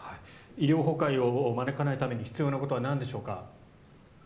医療崩壊を招かないために必要なことはなんでしょうか。